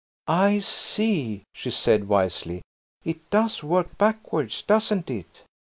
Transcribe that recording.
"I see," she said wisely, "it does work backwards, doesn't it?"